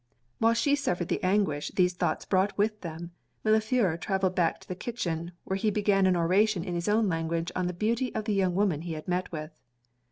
While she suffered the anguish these thoughts brought with them, Millefleur travelled back to the kitchen; where he began an oration in his own language on the beauty of the young woman he had met with.